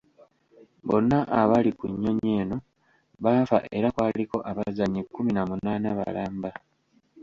Bonna abaali ku nnyonyi eno baafa era kwaliko abazannyi kumi na munaana balamba.